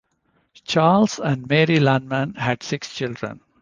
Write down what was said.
Charles and Mary Lanman had six children.